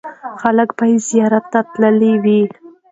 خلکو به یې زیارت ته تللي وي.